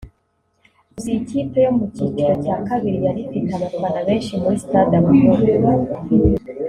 Gusa iyi kipe yo mu cyiciro cya kabiri yari ifite abafana benshi muri Stade Amahoro